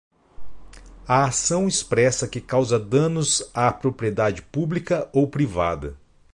A ação expressa que causa danos à propriedade pública ou privada.